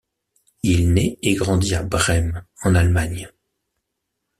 Il nait et grandit à Brême, en Allemagne.